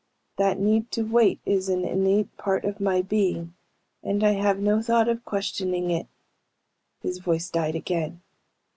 That need to wait is an innate part of my being and I have no thought of questioning it." His voice died again.